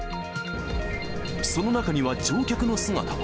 その中には乗客の姿も。